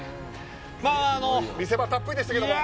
見せ場たっぷりでしたけれど。